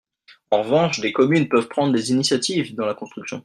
En revanche, des communes peuvent prendre des initiatives dans la construction.